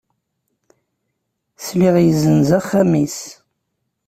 Sliɣ yezzenz axxam-is.